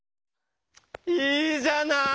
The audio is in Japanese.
いいじゃない。